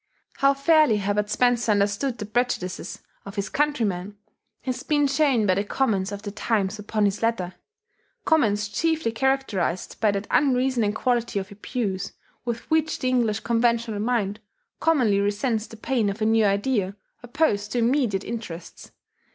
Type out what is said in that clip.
How fairly Herbert Spencer understood the prejudices of his countrymen has been shown by the comments of the Times upon this letter, comments chiefly characterized by that unreasoning quality of abuse with which the English conventional mind commonly resents the pain of a new idea opposed to immediate interests.